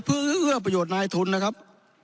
เพื่อเอื้อประโยชน์นายทุนนะครับ